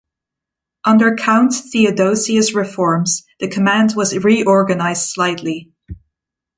Under Count Theodosius' reforms, the command was reorganised slightly.